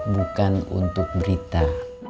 bukan untuk berita